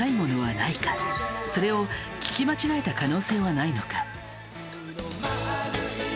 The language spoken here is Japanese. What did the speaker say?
それを聞き間違えた可能性はないのか？